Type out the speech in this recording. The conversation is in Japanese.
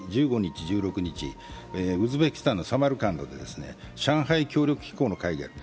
１５日、１６日、ウズベキスタンのサマルカンドで上海協力機構の会議がある。